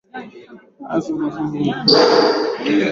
shindikizo hili jipya kutoka marekani ufaransa